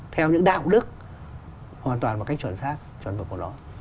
theo những đạo đức hoàn toàn bằng cách chuẩn xác chuẩn mực của nó